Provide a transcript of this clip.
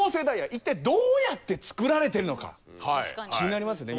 一体どうやって作られてるのか気になりますよね